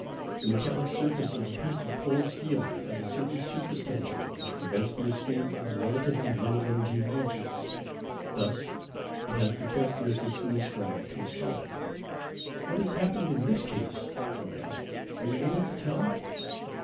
The metallic surface of a piece of cold steel has a certain surface tension which prevents the escape of the relatively low energy molecules; thus it has the characteristics we ascribe to a solid." "Then what has happened in this case?" Joe asked. "Are you able to tell?"